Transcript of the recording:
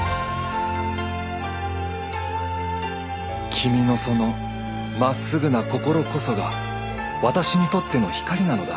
君のそのまっすぐな心こそが私にとっての光なのだ。